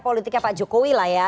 politiknya pak jokowi lah ya